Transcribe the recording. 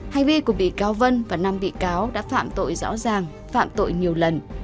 hành vi của vị cáo vân và năm vị cáo đã phạm tội rõ ràng phạm tội nhiều lần